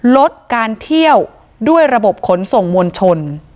ลดการเที่ยวด้วยระบบขนส่งมวลชน